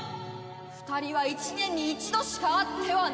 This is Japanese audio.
２人は１年に１度しか会ってはならん！